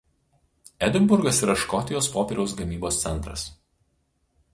Edinburgas yra Škotijos popieriaus gamybos centras.